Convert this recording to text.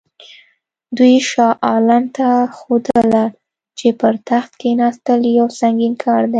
دوی شاه عالم ته ښودله چې پر تخت کښېنستل یو سنګین کار دی.